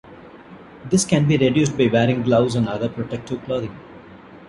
This can be reduced by wearing gloves and other protective clothing.